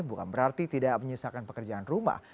bukan berarti tidak menyisakan pekerjaan rumah